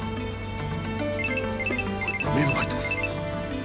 メールが入ってます。